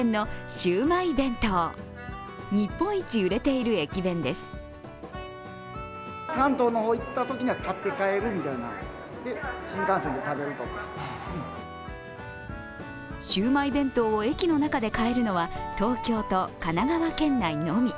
シウマイ弁当を駅の中で買えるのは東京と神奈川県内のみ。